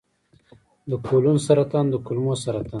د کولون سرطان د کولمو سرطان دی.